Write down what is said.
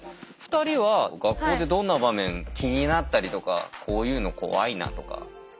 ２人は学校でどんな場面気になったりとかこういうの怖いなとか。